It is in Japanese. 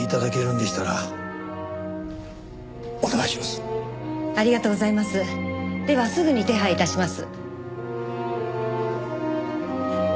ではすぐに手配致します。